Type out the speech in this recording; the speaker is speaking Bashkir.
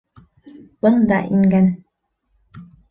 Бында ингән!